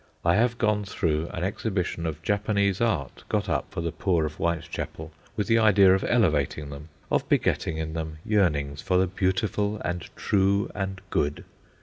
I have gone through an exhibition of Japanese art, got up for the poor of Whitechapel with the idea of elevating them, of begetting in them yearnings for the Beautiful and True and Good.